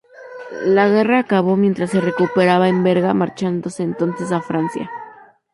La guerra acabó mientras se recuperaba en Berga, marchándose entonces a Francia.